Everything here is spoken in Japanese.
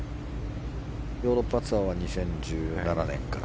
ヨーロッパツアーは２０１７年から。